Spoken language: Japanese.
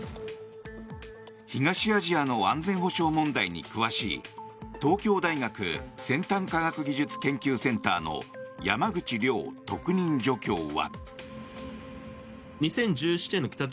東アジアの安全保障問題に詳しい東京大学先端科学技術研究センターの山口亮特任助教は。